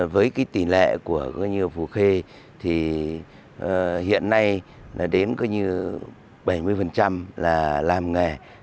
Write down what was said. với tỉ lệ của phù khê thì hiện nay đến bảy mươi là làm nghề